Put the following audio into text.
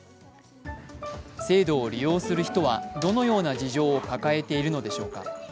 制度を利用する人はどのような事情を抱えているのでしょうか。